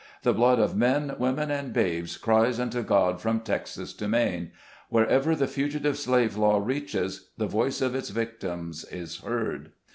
The blood of men, women and babes cries unto God from Texas to Maine. Wherever the Fugitive Slave Law reaches, the voice of its victims is heard.